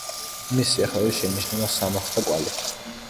მის სიახლოვეს შეინიშნება სამარხთა კვალი.